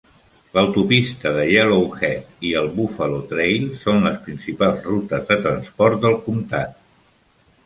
L'autopista de Yellowhead i el Buffalo Trail són les principals rutes de transport del comtat.